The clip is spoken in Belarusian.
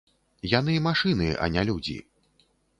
Яны, машыны, а не людзі.